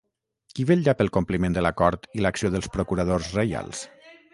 Qui vetllà pel compliment de l'acord i l'acció dels procuradors reials?